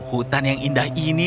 hutan yang indah ini